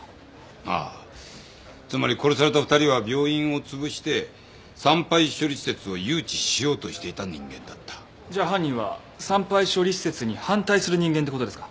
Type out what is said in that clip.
ああつまり殺された２人は病院を潰して産廃処理施設を誘致しようとしていた人間だったじゃあ犯人は産廃処理施設に反対する人間ってことですか？